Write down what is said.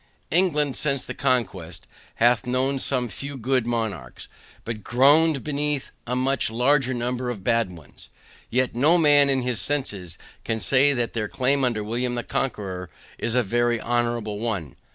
England, since the conquest, hath known some few good monarchs, but groaned beneath a much larger number of bad ones; yet no man in his senses can say that their claim under William the Conqueror is a very honorable one.